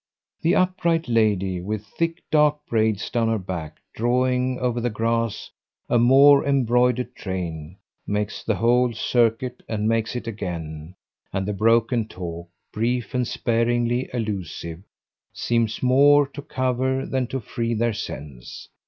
The upright lady, with thick dark braids down her back, drawing over the grass a more embroidered train, makes the whole circuit, and makes it again, and the broken talk, brief and sparingly allusive, seems more to cover than to free their sense.